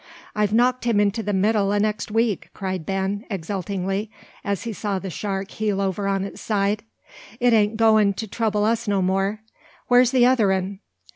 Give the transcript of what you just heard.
"I've knocked him into the middle o' next week," cried Ben, exultingly, as he saw the shark heel over on its side. "It ain't goin' to trouble us any more. Where's the other un?"